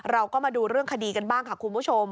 เราก็มาดูเรื่องคดีกันบ้างค่ะคุณผู้ชม